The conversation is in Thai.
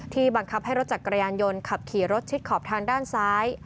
บังคับให้รถจักรยานยนต์ขับขี่รถชิดขอบทางด้านซ้าย